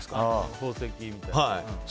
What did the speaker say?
宝石みたいなの。